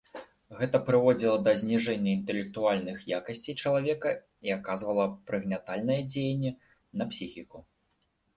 Гэта прыводзіла да зніжэння інтэлектуальных якасцей чалавека і аказвала прыгнятальнае дзеянне на псіхіку.